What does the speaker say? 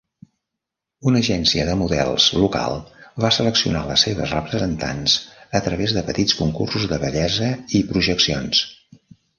Una agència de models local va seleccionar les seves representants a través de petits concursos de bellesa i projeccions.